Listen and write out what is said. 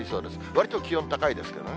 わりと気温高いですけどね。